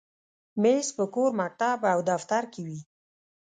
مېز په کور، مکتب، او دفتر کې وي.